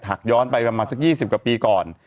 ย้อนไปประมาณสัก๒๐กว่าปีก่อน